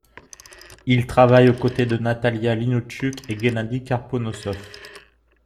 Il travaille aux côtés de Natalia Linichuk et Guennadi Karponossov.